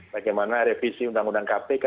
bagaimana revisi undang undang kpk